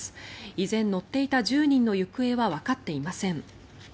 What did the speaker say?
依然、乗っていた１０人の行方はわかっていません。